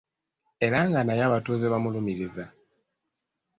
Era nga naye abatuuze bamulumirizza.